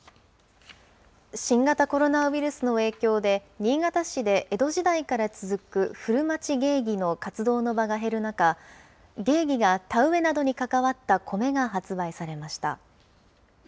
新型コロナウイルスの影響で新潟市で江戸時代から続く古町芸妓の活動の場が減る中、芸妓が田植えなどに関わったコメが発売されました。